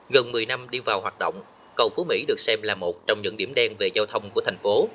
gần một mươi năm đi vào hoạt động cầu phú mỹ được xem là một trong những điểm đen về giao thông của thành phố